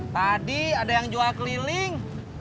tadi ada yang jual keliling